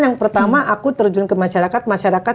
yang pertama aku terjun ke masyarakat masyarakat